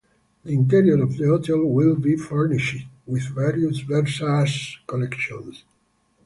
The interior of the hotel will be furnished with various Versace collections.